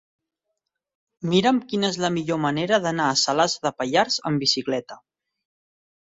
Mira'm quina és la millor manera d'anar a Salàs de Pallars amb bicicleta.